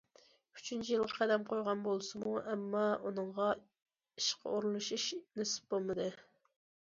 ئۈچىنچى يىلغا قەدەم قويغان بولسىمۇ، ئەمما ئۇنىڭغا ئىشقا ئورۇنلىشىش نېسىپ بولمىدى.